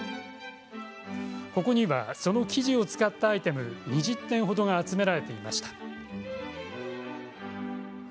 ここにはその生地を使ったアイテム２０点程が集められていました。